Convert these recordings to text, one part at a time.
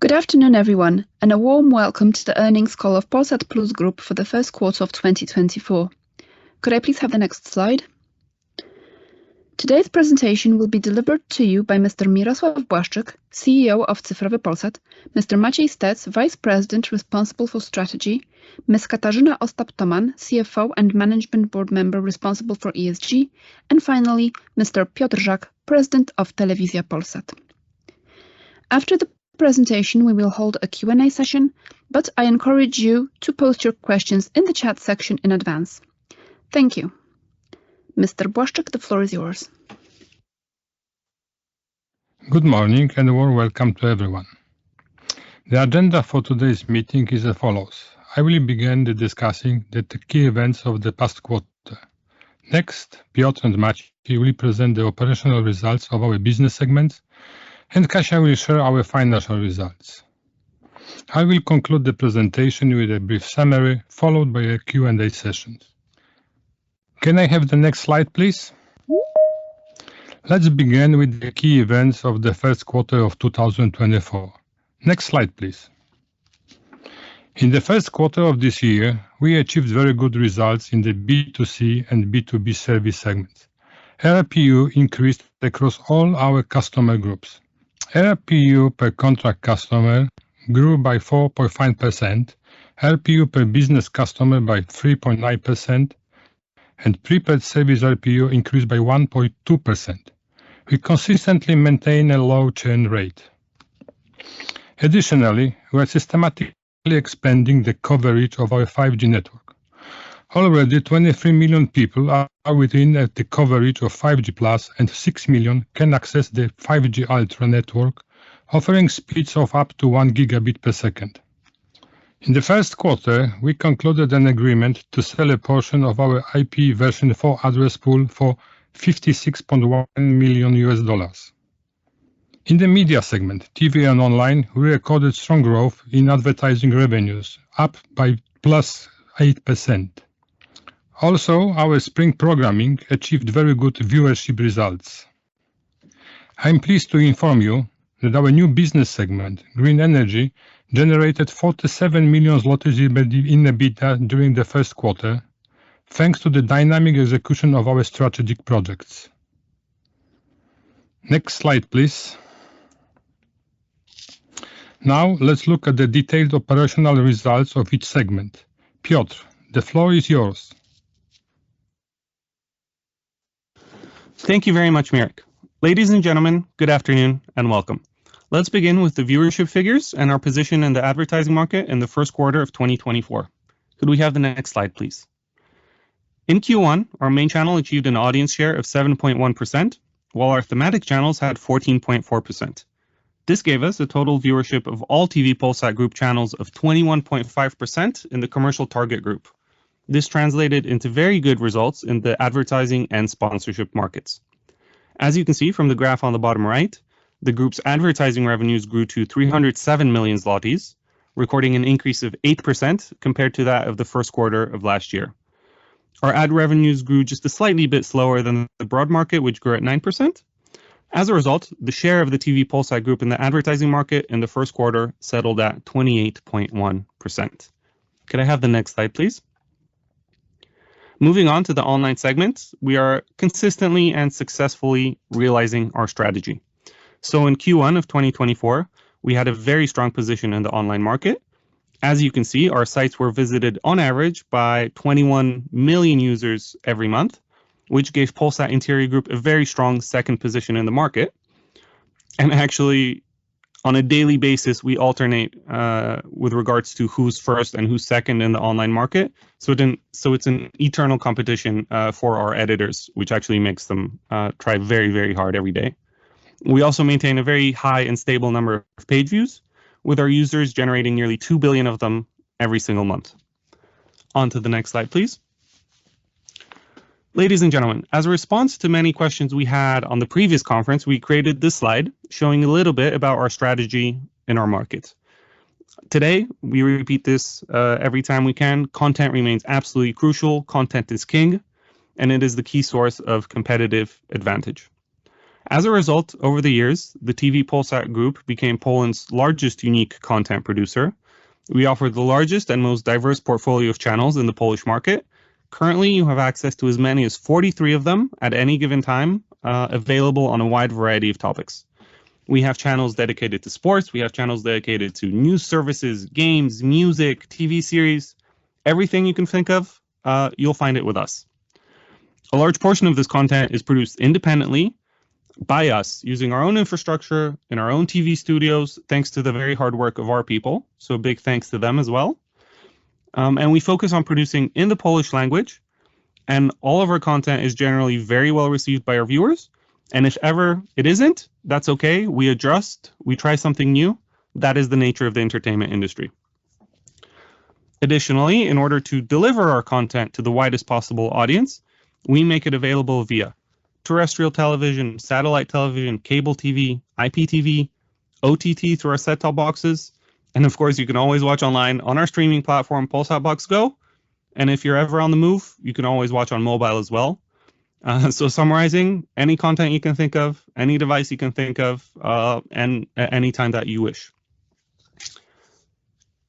Good afternoon, everyone, and a warm welcome to the earnings call of Polsat Plus Group for the first quarter of 2024. Could I please have the next slide? Today's presentation will be delivered to you by Mr. Mirosław Błaszczyk, CEO of Cyfrowy Polsat, Mr. Maciej Stec, Vice President responsible for strategy, Ms. Katarzyna Ostap-Tomann, CFO and Management Board Member responsible for ESG, and finally, Mr. Piotr Żak, President of Telewizja Polsat. After the presentation, we will hold a Q&A session, but I encourage you to post your questions in the chat section in advance. Thank you. Mr. Błaszczyk, the floor is yours. Good morning, and a warm welcome to everyone. The agenda for today's meeting is as follows: I will begin the discussing the key events of the past quarter. Next, Piotr and Maciej will present the operational results of our business segments, and Kasia will share our financial results. I will conclude the presentation with a brief summary, followed by a Q&A session. Can I have the next slide, please? Let's begin with the key events of the first quarter of 2024. Next slide, please. In the first quarter of this year, we achieved very good results in the B2C and B2B service segments. ARPU increased across all our customer groups. ARPU per contract customer grew by 4.5%, ARPU per business customer by 3.9%, and prepaid service ARPU increased by 1.2%. We consistently maintain a low churn rate. Additionally, we are systematically expanding the coverage of our 5G network. Already, 23 million people are within the coverage of 5G Plus, and 6 million can access the 5G Ultra network, offering speeds of up to 1 Gbps. In the first quarter, we concluded an agreement to sell a portion of our IPv4 address pool for $56.1 million. In the media segment, TV and online, we recorded strong growth in advertising revenues, up by +8%. Also, our spring programming achieved very good viewership results. I'm pleased to inform you that our new business segment, green energy, generated 47 million zloty in EBITDA during the first quarter, thanks to the dynamic execution of our strategic projects. Next slide, please. Now, let's look at the detailed operational results of each segment. Piotr, the floor is yours. Thank you very much, Mirek. Ladies and gentlemen, good afternoon and welcome. Let's begin with the viewership figures and our position in the advertising market in the first quarter of 2024. Could we have the next slide, please? In Q1, our main channel achieved an audience share of 7.1%, while our thematic channels had 14.4%. This gave us a total viewership of all TV Polsat Group channels of 21.5% in the commercial target group. This translated into very good results in the advertising and sponsorship markets. As you can see from the graph on the bottom right, the group's advertising revenues grew to 307 million zlotys, recording an increase of 8% compared to that of the first quarter of last year. Our ad revenues grew just a slightly bit slower than the broad market, which grew at 9%. As a result, the share of the TV Polsat Group in the advertising market in the first quarter settled at 28.1%. Could I have the next slide, please? Moving on to the online segment, we are consistently and successfully realizing our strategy. So in Q1 of 2024, we had a very strong position in the online market. As you can see, our sites were visited on average by 21 million users every month, which gave Polsat Interia Group a very strong second position in the market. And actually, on a daily basis, we alternate with regards to who's first and who's second in the online market. So it's an eternal competition for our editors, which actually makes them try very, very hard every day. We also maintain a very high and stable number of page views, with our users generating nearly 2 billion of them every single month. Onto the next slide, please. Ladies and gentlemen, as a response to many questions we had on the previous conference, we created this slide showing a little bit about our strategy in our market. Today, we repeat this every time we can. Content remains absolutely crucial. Content is king, and it is the key source of competitive advantage. As a result, over the years, the TV Polsat Group became Poland's largest unique content producer. We offer the largest and most diverse portfolio of channels in the Polish market. Currently, you have access to as many as 43 of them at any given time, available on a wide variety of topics. We have channels dedicated to sports. We have channels dedicated to news services, games, music, TV series. Everything you can think of, you'll find it with us. A large portion of this content is produced independently by us, using our own infrastructure and our own TV studios, thanks to the very hard work of our people. So a big thanks to them as well. And we focus on producing in the Polish language, and all of our content is generally very well received by our viewers, and if ever it isn't, that's okay. We adjust, we try something new. That is the nature of the entertainment industry. Additionally, in order to deliver our content to the widest possible audience, we make it available via terrestrial television, satellite television, cable TV, IPTV, OTT, through our set-top boxes, and of course, you can always watch online on our streaming platform, Polsat Box Go, and if you're ever on the move, you can always watch on mobile as well. So, summarizing, any content you can think of, any device you can think of, and at any time that you wish.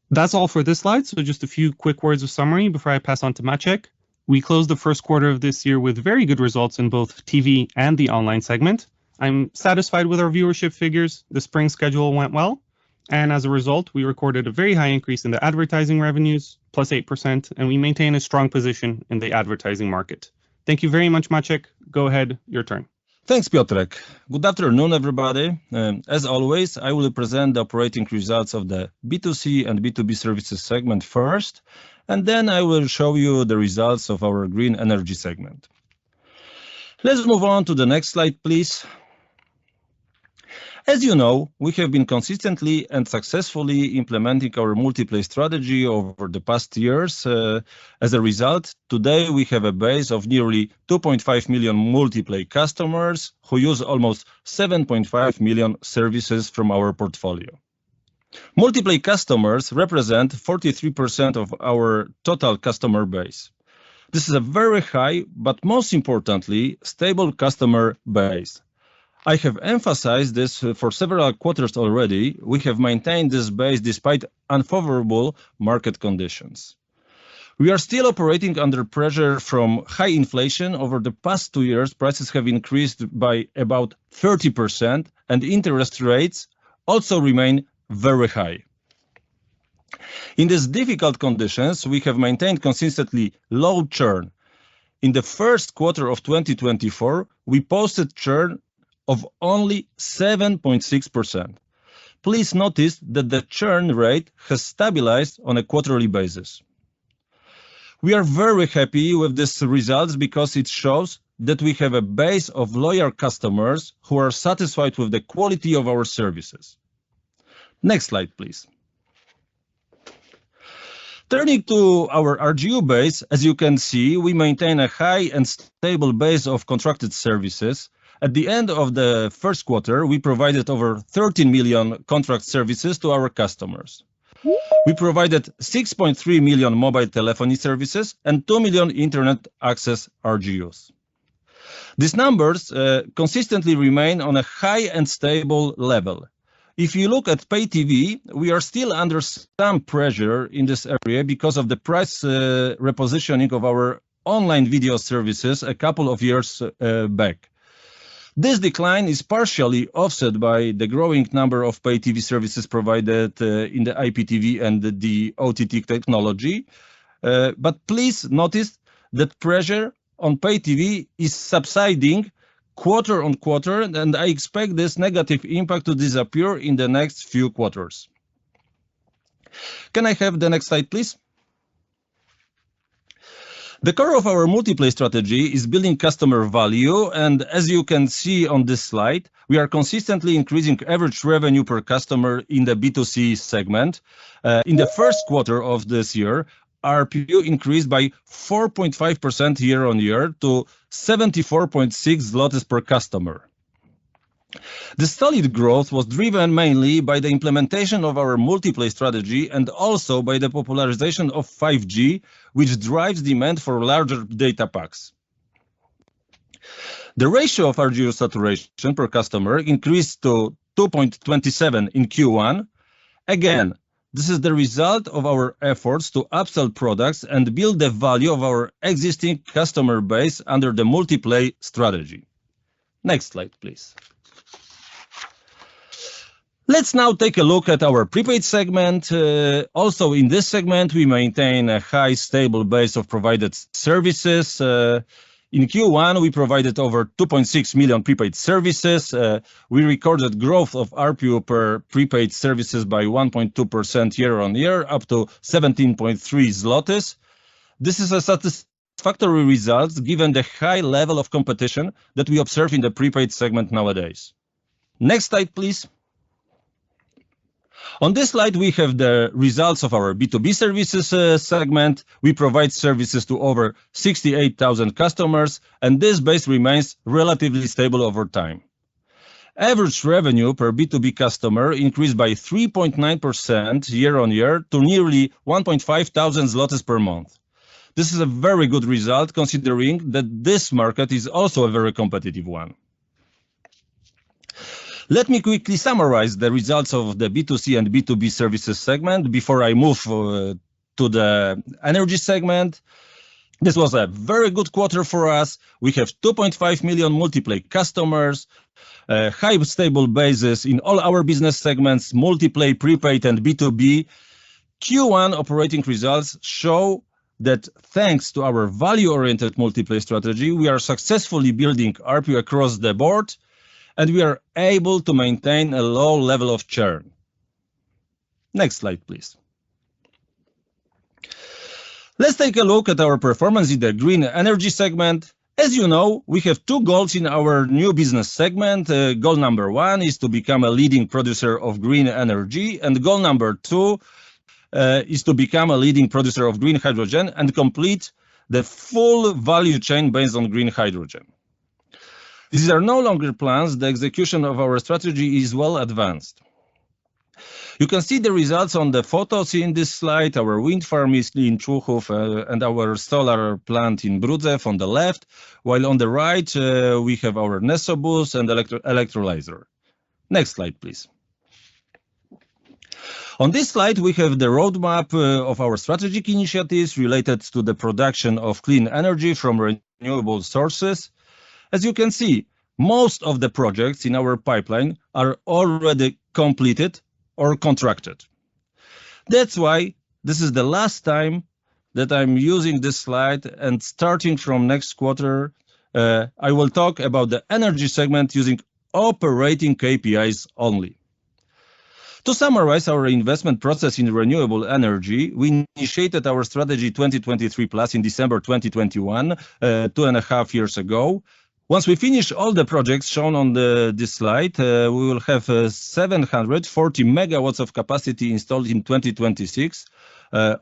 That's all for this slide, so just a few quick words of summary before I pass on to Maciek. We closed the first quarter of this year with very good results in both TV and the online segment. I'm satisfied with our viewership figures. The spring schedule went well, and as a result, we recorded a very high increase in the advertising revenues, +8%, and we maintain a strong position in the advertising market. Thank you very much, Maciek. Go ahead, your turn. Thanks, Piotrek. Good afternoon, everybody. As always, I will present the operating results of the B2C and B2B services segment first, and then I will show you the results of our green energy segment. Let's move on to the next slide, please. As you know, we have been consistently and successfully implementing our multi-play strategy over the past years. As a result, today we have a base of nearly 2.5 million multi-play customers, who use almost 7.5 million services from our portfolio. Multi-play customers represent 43% of our total customer base. This is a very high, but most importantly, stable customer base. I have emphasized this for several quarters already. We have maintained this base despite unfavorable market conditions. We are still operating under pressure from high inflation. Over the past two years, prices have increased by about 30%, and interest rates also remain very high. In these difficult conditions, we have maintained consistently low churn. In the first quarter of 2024, we posted churn of only 7.6%. Please notice that the churn rate has stabilized on a quarterly basis. We are very happy with these results because it shows that we have a base of loyal customers who are satisfied with the quality of our services. Next slide, please. Turning to our RGU base, as you can see, we maintain a high and stable base of contracted services. At the end of the first quarter, we provided over 13 million contract services to our customers. We provided 6.3 million mobile telephony services and 2 million internet access RGUs. These numbers consistently remain on a high and stable level. If you look at pay TV, we are still under some pressure in this area because of the price repositioning of our online video services a couple of years back. This decline is partially offset by the growing number of pay TV services provided in the IPTV and the OTT technology. But please notice that pressure on pay TV is subsiding quarter-on-quarter, and I expect this negative impact to disappear in the next few quarters. Can I have the next slide, please? The core of our multi-play strategy is building customer value, and as you can see on this slide, we are consistently increasing average revenue per customer in the B2C segment. In the first quarter of this year, ARPU increased by 4.5% year-on-year to 74.6 zlotys per customer. The studied growth was driven mainly by the implementation of our multi-play strategy and also by the popularization of 5G, which drives demand for larger data packs. The ratio of RGU saturation per customer increased to 2.27 in Q1. Again, this is the result of our efforts to upsell products and build the value of our existing customer base under the multi-play strategy. Next slide, please. Let's now take a look at our prepaid segment. Also in this segment, we maintain a high, stable base of provided services. In Q1, we provided over 2.6 million prepaid services. We recorded growth of ARPU per prepaid services by 1.2% year-on-year, up to 17.3 zlotys. This is a satisfactory result, given the high level of competition that we observe in the prepaid segment nowadays. Next slide, please. On this slide, we have the results of our B2B services segment. We provide services to over 68,000 customers, and this base remains relatively stable over time. Average revenue per B2B customer increased by 3.9% year-on-year to nearly 1,500 zlotys per month. This is a very good result, considering that this market is also a very competitive one. Let me quickly summarize the results of the B2C and B2B services segment before I move to the energy segment. This was a very good quarter for us. We have 2.5 million multi-play customers, a high, stable basis in all our business segments: multi-play, prepaid, and B2B. Q1 operating results show that, thanks to our value-oriented multi-play strategy, we are successfully building ARPU across the board, and we are able to maintain a low level of churn. Next slide, please. Let's take a look at our performance in the green energy segment. As you know, we have two goals in our new business segment. Goal number one is to become a leading producer of green energy, and goal number two is to become a leading producer of green hydrogen and complete the full value chain based on green hydrogen. These are no longer plans; the execution of our strategy is well advanced. You can see the results on the photos in this slide. Our wind farm is in Człuchów, and our solar plant in Brudzew on the left, while on the right, we have our Neso Bus and electrolyzer. Next slide, please. On this slide, we have the roadmap of our strategic initiatives related to the production of clean energy from renewable sources. As you can see, most of the projects in our pipeline are already completed or contracted. That's why this is the last time that I'm using this slide, and starting from next quarter, I will talk about the energy segment using operating KPIs only. To summarize our investment process in renewable energy, we initiated our Strategy 2023+ in December 2021, two and a half years ago. Once we finish all the projects shown on this slide, we will have 740 MW of capacity installed in 2026,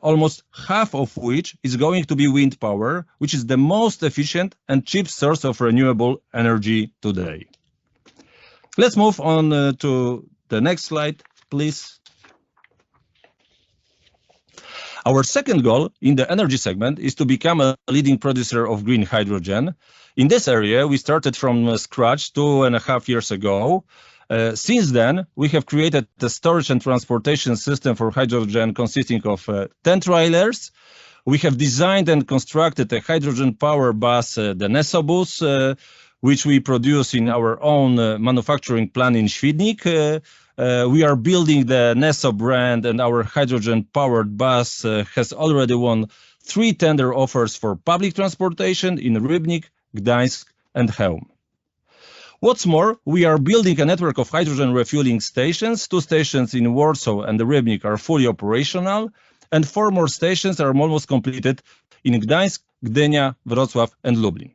almost half of which is going to be wind power, which is the most efficient and cheap source of renewable energy today. Let's move on to the next slide, please. Our second goal in the energy segment is to become a leading producer of green hydrogen. In this area, we started from scratch 2.5 years ago. Since then, we have created the storage and transportation system for hydrogen, consisting of 10 trailers. We have designed and constructed a hydrogen-powered bus, the Neso Bus, which we produce in our own manufacturing plant in Świdnik. We are building the Neso brand, and our hydrogen-powered bus has already won 3 tender offers for public transportation in Rybnik, Gdańsk, and Chełm. What's more, we are building a network of hydrogen refueling stations. 2 stations in Warsaw and Rybnik are fully operational, and 4 more stations are almost completed in Gdańsk, Gdynia, Wrocław, and Lublin.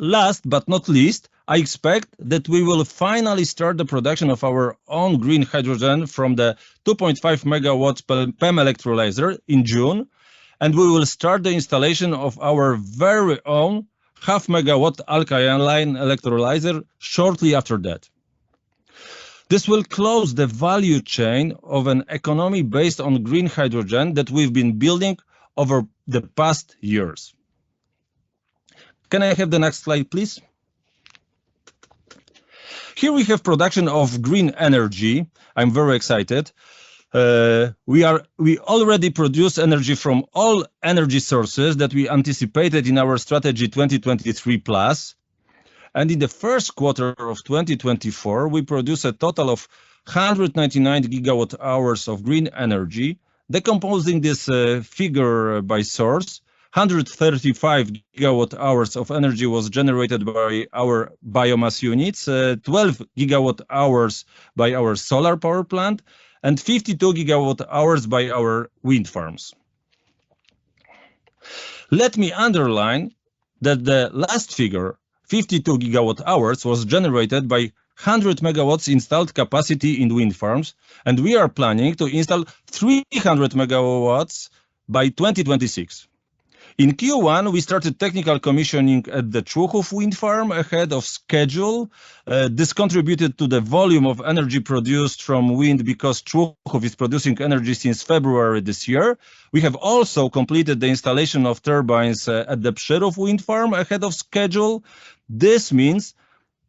Last but not least, I expect that we will finally start the production of our own green hydrogen from the 2.5 MW PEM electrolyzer in June, and we will start the installation of our very own 0.5 MW alkaline electrolyzer shortly after that. This will close the value chain of an economy based on green hydrogen that we've been building over the past years. Can I have the next slide, please? Here we have production of green energy. I'm very excited. We already produce energy from all energy sources that we anticipated in our Strategy 2023+, and in the first quarter of 2024, we produced a total of 199 GWh of green energy. Decomposing this, figure by source, 135 GWh was generated by our biomass units, 12 GWh by our solar power plant, and 52 GWh by our wind farms. Let me underline that the last figure, 52 GWh, was generated by 100 megawatts installed capacity in wind farms, and we are planning to install 300 MW by 2026. In Q1, we started technical commissioning at the Człuchów Wind Farm ahead of schedule. This contributed to the volume of energy produced from wind because Człuchów is producing energy since February this year. We have also completed the installation of turbines at the Przyrów Wind Farm ahead of schedule. This means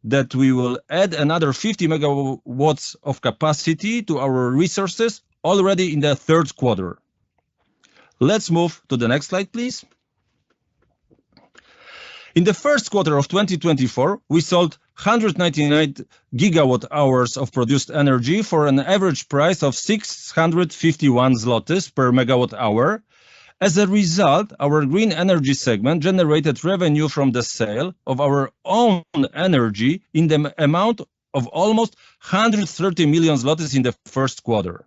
that we will add another 50 MW of capacity to our resources already in the third quarter. Let's move to the next slide, please. In the first quarter of 2024, we sold 199 GWh of produced energy for an average price of 651 zlotys per MWh. As a result, our green energy segment generated revenue from the sale of our own energy in the amount of almost 130 million zlotys in the first quarter.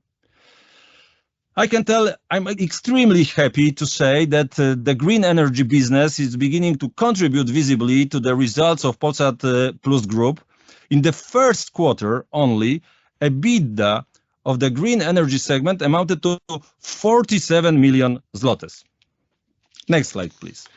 I can tell I'm extremely happy to say that, the green energy business is beginning to contribute visibly to the results of Polsat Plus Group. In the first quarter, only, EBITDA of the green energy segment amounted to 47 million. Next slide, please.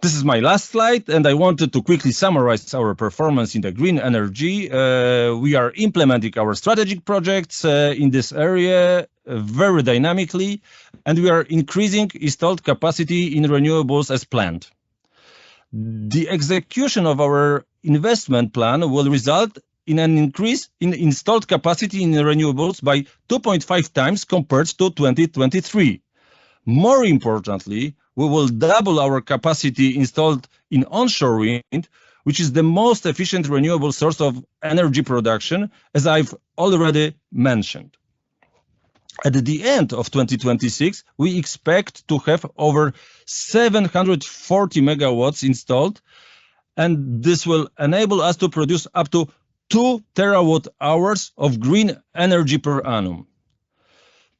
This is my last slide, and I wanted to quickly summarize our performance in the green energy. We are implementing our strategic projects, in this area, very dynamically, and we are increasing installed capacity in renewables as planned. The execution of our investment plan will result in an increase in installed capacity in renewables by 2.5x compared to 2023. More importantly, we will double our capacity installed in onshore wind, which is the most efficient, renewable source of energy production, as I've already mentioned. At the end of 2026, we expect to have over 740 MW installed, and this will enable us to produce up to 2 TWh of green energy per annum.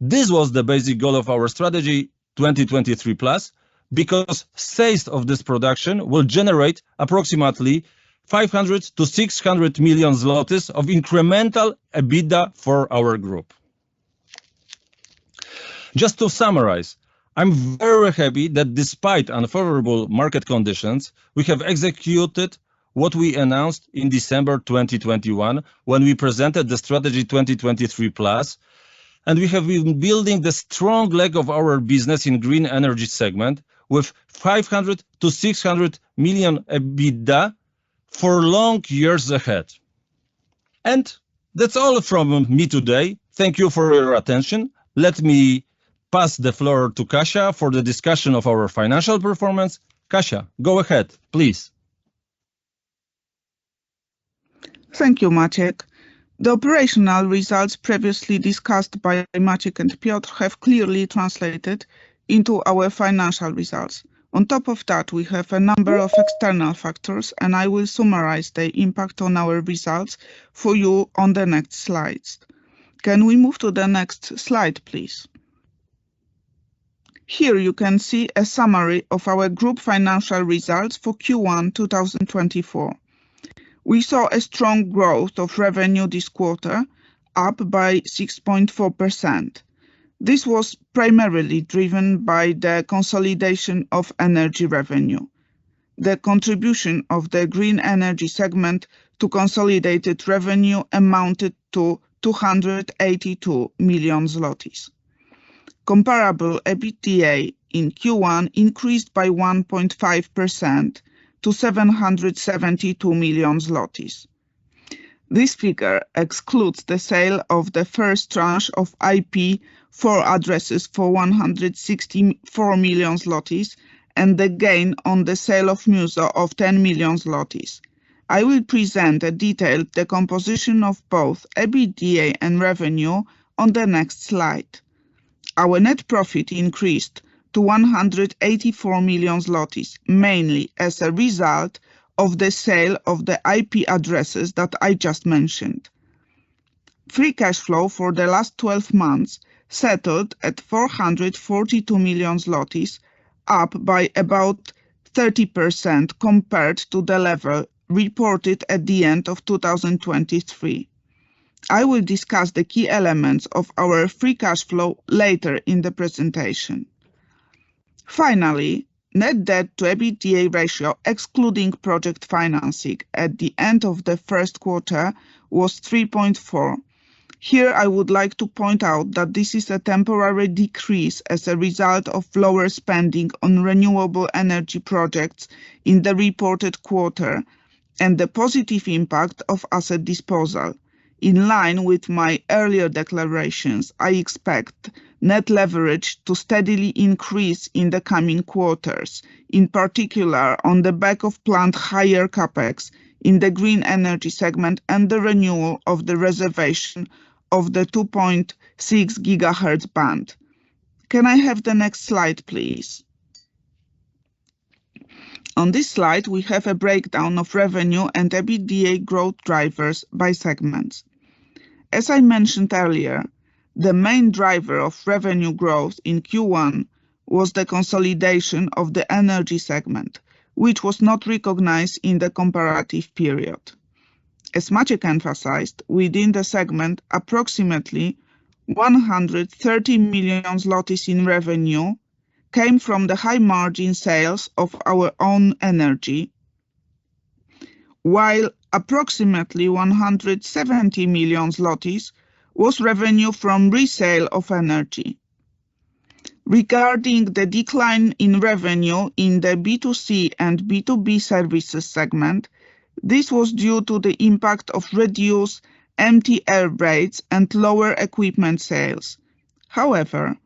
This was the basic goal of our strategy, 2023+, because sales of this production will generate approximately 500 million-600 million zlotys of incremental EBITDA for our group. Just to summarize, I'm very happy that despite unfavorable market conditions, we have executed what we announced in December 2021, when we presented the Strategy 2023+, and we have been building the strong leg of our business in green energy segment with 500-600 million EBITDA for long years ahead. And that's all from me today. Thank you for your attention. Let me pass the floor to Kasia for the discussion of our financial performance. Kasia, go ahead, please. Thank you, Maciek. The operational results previously discussed by Maciek and Piotr have clearly translated into our financial results. On top of that, we have a number of external factors, and I will summarize the impact on our results for you on the next slides. Can we move to the next slide, please? Here, you can see a summary of our group financial results for Q1 2024. We saw a strong growth of revenue this quarter, up by 6.4%. This was primarily driven by the consolidation of energy revenue. The contribution of the green energy segment to consolidated revenue amounted to 282 million zlotys. Comparable EBITDA in Q1 increased by 1.5% to 772 million zlotys. This figure excludes the sale of the first tranche of IPv4 addresses for 164 million, and the gain on the sale of Muzo of 10 million. I will present a detailed decomposition of both EBITDA and revenue on the next slide. Our net profit increased to 184 million zlotys, mainly as a result of the sale of the IP addresses that I just mentioned. Free cash flow for the last twelve months settled at 442 million zlotys, up by about 30% compared to the level reported at the end of 2023. I will discuss the key elements of our free cash flow later in the presentation. Finally, net debt to EBITDA ratio, excluding project financing, at the end of the first quarter was 3.4%. Here, I would like to point out that this is a temporary decrease as a result of lower spending on renewable energy projects in the reported quarter and the positive impact of asset disposal. In line with my earlier declarations, I expect net leverage to steadily increase in the coming quarters, in particular, on the back of planned higher CapEx in the green energy segment and the renewal of the reservation of the 2.6 GHz band. Can I have the next slide, please? On this slide, we have a breakdown of revenue and EBITDA growth drivers by segments. As I mentioned earlier, the main driver of revenue growth in Q1 was the consolidation of the energy segment, which was not recognized in the comparative period. As Maciek emphasized, within the segment, approximately 130 million zlotys in revenue came from the high-margin sales of our own energy, while approximately 170 million zlotys was revenue from resale of energy. Regarding the decline in revenue in the B2C and B2B services segment, this was due to the impact of reduced MTR rates and lower equipment sales. However,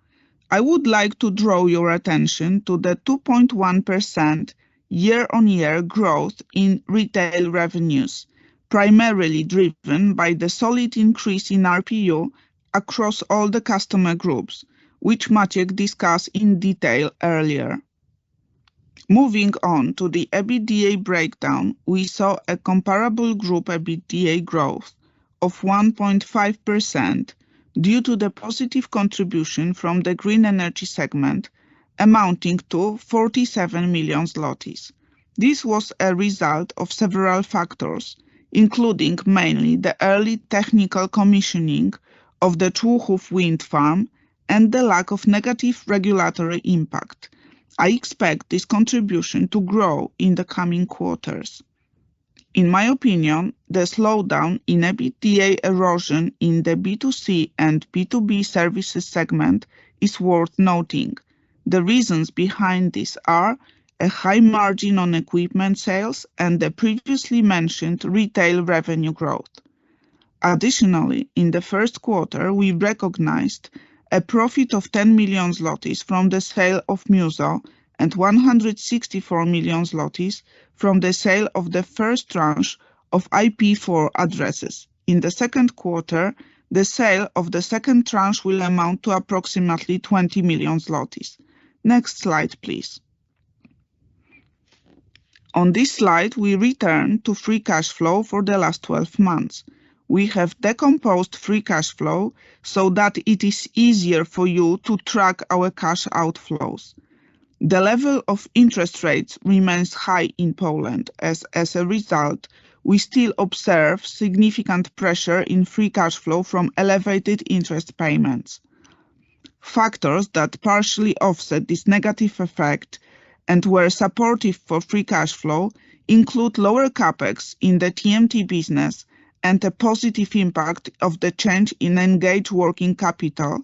I would like to draw your attention to the 2.1% year-on-year growth in retail revenues, primarily driven by the solid increase in ARPU across all the customer groups, which Maciek discussed in detail earlier. Moving on to the EBITDA breakdown, we saw a comparable group EBITDA growth of 1.5% due to the positive contribution from the green energy segment, amounting to 47 million zlotys. This was a result of several factors, including mainly the early technical commissioning of the Człuchów Wind Farm and the lack of negative regulatory impact. I expect this contribution to grow in the coming quarters. In my opinion, the slowdown in EBITDA erosion in the B2C and B2B services segment is worth noting. The reasons behind this are a high margin on equipment sales and the previously mentioned retail revenue growth. Additionally, in the first quarter, we recognized a profit of 10 million zlotys from the sale of Muzo, and 164 million zlotys from the sale of the first tranche of IPv4 addresses. In the second quarter, the sale of the second tranche will amount to approximately 20 million zlotys. Next slide, please. On this slide, we return to free cash flow for the last twelve months. We have decomposed free cash flow so that it is easier for you to track our cash outflows. The level of interest rates remains high in Poland. As a result, we still observe significant pressure in free cash flow from elevated interest payments. Factors that partially offset this negative effect and were supportive for free cash flow include lower CapEx in the TMT business and the positive impact of the change in engaged working capital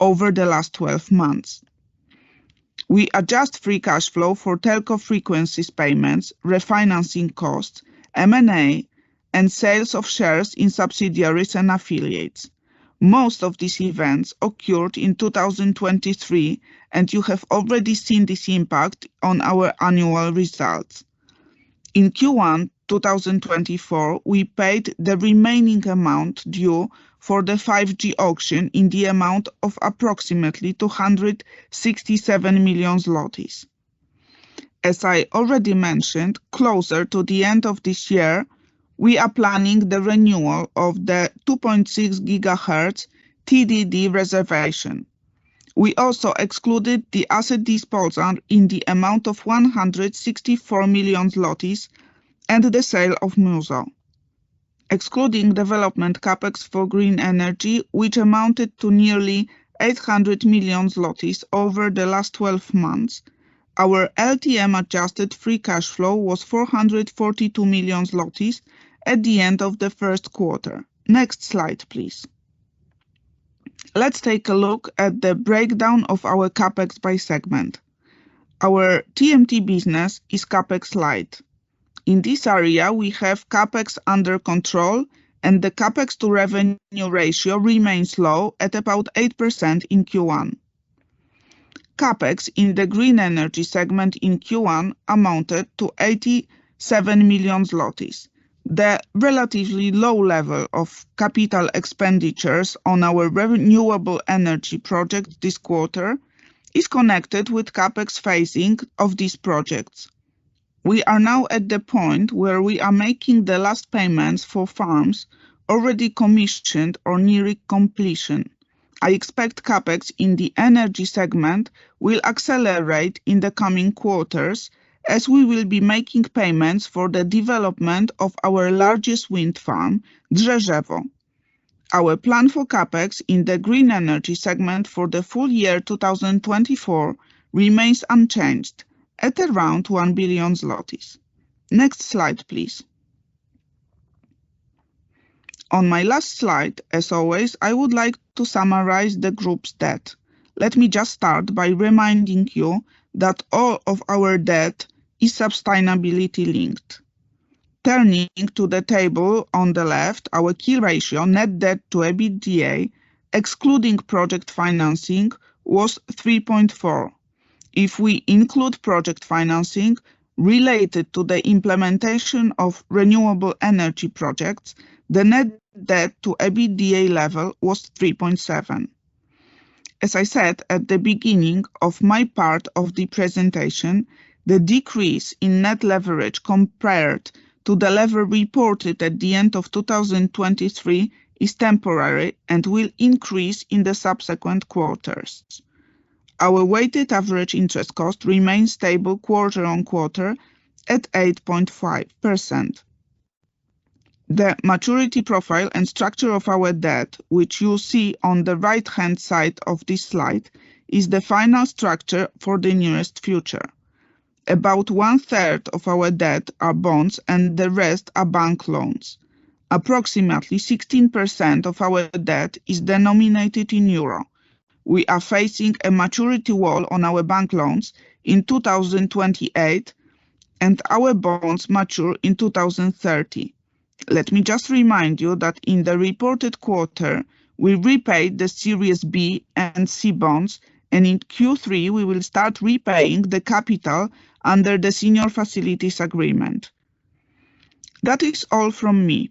over the last twelve months. We adjust free cash flow for telco frequencies payments, refinancing costs, M&A, and sales of shares in subsidiaries and affiliates. Most of these events occurred in 2023, and you have already seen this impact on our annual results. In Q1 2024, we paid the remaining amount due for the 5G auction in the amount of approximately 267 million zlotys. As I already mentioned, closer to the end of this year, we are planning the renewal of the 2.6 GHz TDD reservation. We also excluded the asset disposal in the amount of 164 million zlotys and the sale of Muzo. Excluding development CapEx for green energy, which amounted to nearly 800 million zlotys over the last twelve months, our LTM adjusted free cash flow was 442 million zlotys at the end of the first quarter. Next slide, please. Let's take a look at the breakdown of our CapEx by segment. Our TMT business is CapEx light. In this area, we have CapEx under control, and the CapEx to revenue ratio remains low at about 8% in Q1. CapEx in the green energy segment in Q1 amounted to 87 million zlotys. The relatively low level of capital expenditures on our renewable energy project this quarter is connected with CapEx phasing of these projects. We are now at the point where we are making the last payments for farms already commissioned or nearing completion. I expect CapEx in the energy segment will accelerate in the coming quarters, as we will be making payments for the development of our largest wind farm, Drzeżewo. Our plan for CapEx in the green energy segment for the full year 2024 remains unchanged, at around 1 billion zlotys. Next slide, please. On my last slide, as always, I would like to summarize the group's debt. Let me just start by reminding you that all of our debt is sustainability-linked. Turning to the table on the left, our key ratio, net debt to EBITDA, excluding project financing, was 3.4%. If we include project financing related to the implementation of renewable energy projects, the net debt to EBITDA level was 3.7%. As I said at the beginning of my part of the presentation, the decrease in net leverage compared to the level reported at the end of 2023 is temporary and will increase in the subsequent quarters. Our weighted average interest cost remains stable quarter-on-quarter at 8.5%. The maturity profile and structure of our debt, which you see on the right-hand side of this slide, is the final structure for the nearest future. About one-third of our debt are bonds, and the rest are bank loans. Approximately 16% of our debt is denominated in euro. We are facing a maturity wall on our bank loans in 2028, and our bonds mature in 2030. Let me just remind you that in the reported quarter, we repaid the Series B and C bonds, and in Q3, we will start repaying the capital under the senior facilities agreement. That is all from me.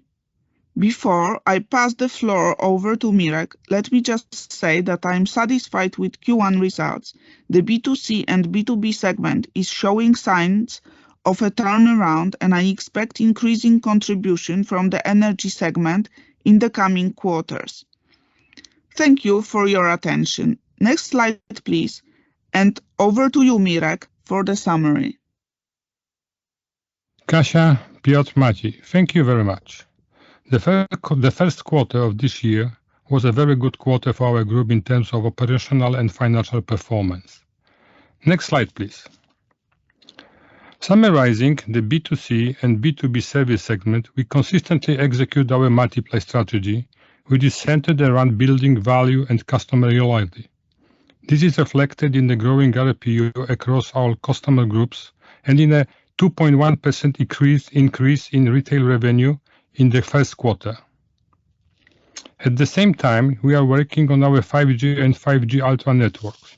Before I pass the floor over to Mirek, let me just say that I am satisfied with Q1 results. The B2C and B2B segment is showing signs of a turnaround, and I expect increasing contribution from the energy segment in the coming quarters. Thank you for your attention. Next slide, please, and over to you, Mirek, for the summary. Kasia, Piotr, Maciej, thank you very much. The first quarter of this year was a very good quarter for our group in terms of operational and financial performance. Next slide, please. Summarizing the B2C and B2B service segment, we consistently execute our multi-play strategy, which is centered around building value and customer loyalty. This is reflected in the growing ARPU across our customer groups and in a 2.1% increase in retail revenue in the first quarter. At the same time, we are working on our 5G and 5G Ultra networks.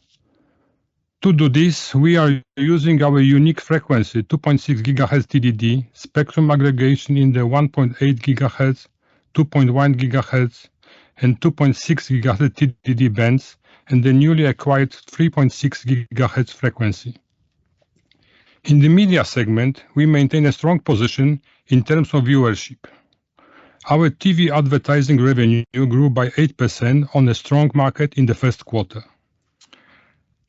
To do this, we are using our unique frequency, 2.6 GHz TDD, spectrum aggregation in the 1.8 GHz, 2.1 GHz, and 2.6 GHz TDD bands, and the newly acquired 3.6 GHz frequency. In the media segment, we maintain a strong position in terms of viewership. Our TV advertising revenue grew by 8% on a strong market in the first quarter.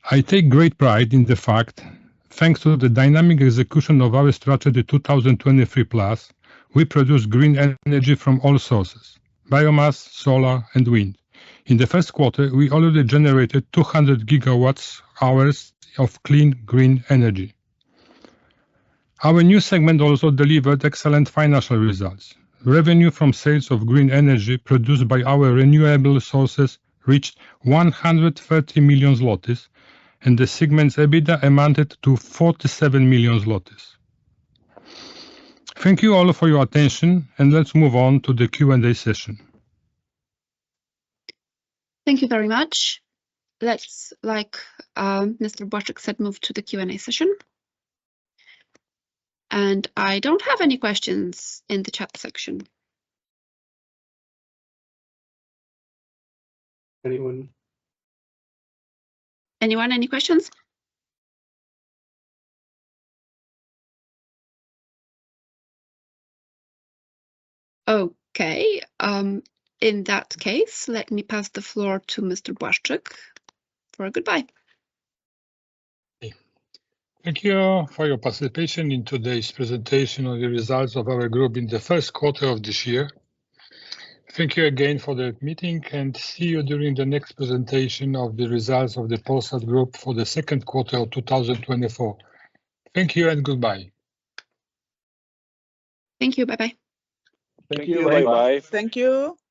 I take great pride in the fact, thanks to the dynamic execution of our Strategy 2023+, we produce green energy from all sources: biomass, solar, and wind. In the first quarter, we already generated 200 GWh of clean, green energy. Our new segment also delivered excellent financial results. Revenue from sales of green energy produced by our renewable sources reached 130 million zlotys, and the segment's EBITDA amounted to 47 million zlotys. Thank you all for your attention, and let's move on to the Q&A session. Thank you very much. Let's, like, Mr. Błaszczyk said, move to the Q&A session. I don't have any questions in the chat section. Anyone? Anyone, any questions? Okay, in that case, let me pass the floor to Mr. Błaszczyk for a goodbye. Thank you for your participation in today's presentation on the results of our group in the first quarter of this year. Thank you again for the meeting, and see you during the next presentation of the results of the Polsat Group for the second quarter of 2024. Thank you and goodbye. Thank you. Bye-bye. Thank you. Bye-bye. Thank you. Bye-bye. Thank you.